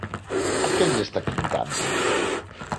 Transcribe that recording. ¿A quen lle está quintando?